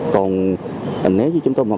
còn nếu như chúng tôi